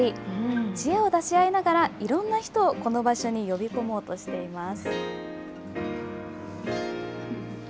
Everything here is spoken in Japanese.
知恵を出し合いながら、いろんな人をこの場所に呼び込もうとしています。